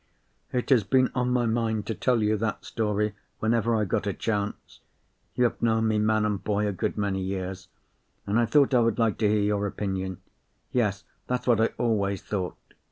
It has been on my mind to tell you that story, whenever I got a chance. You have known me, man and boy, a good many years; and I thought I would like to hear your opinion. Yes, that's what I always thought.